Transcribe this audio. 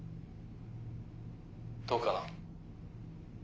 どうかな？